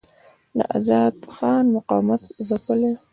د آزاد خان مقاومت ځپلی.